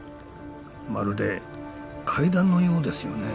まるで階段のようですよね。